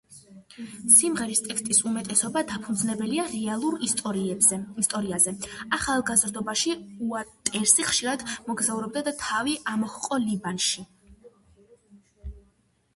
სიმღერის ტექსტის უმეტესობა დაფუძნებულია რეალურ ისტორიაზე: ახალგაზრდობაში უოტერსი ხშირად მოგზაურობდა და თავი ამოჰყო ლიბანში.